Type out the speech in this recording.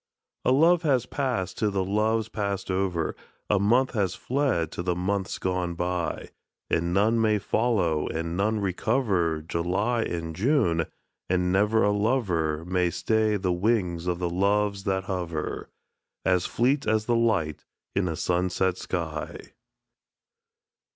A love has passed to the loves passed over, A month has fled to the months gone by; And none may follow, and none recover July and June, and never a lover May stay the wings of the Loves that hover, As fleet as the light in a sunset sky.